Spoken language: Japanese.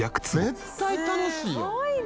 絶対楽しいやん。